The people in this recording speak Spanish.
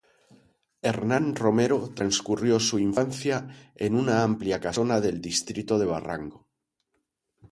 Hernán Romero transcurrió su infancia en una amplia casona del distrito de Barranco.